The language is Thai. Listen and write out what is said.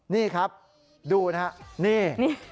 นี่ครับดูนะฮะนี่